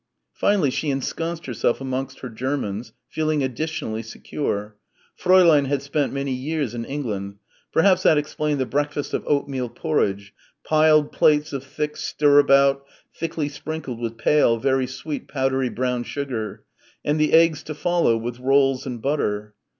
Finally she ensconced herself amongst her Germans, feeling additionally secure.... Fräulein had spent many years in England. Perhaps that explained the breakfast of oatmeal porridge piled plates of thick stirabout thickly sprinkled with pale, very sweet powdery brown sugar and the eggs to follow with rolls and butter.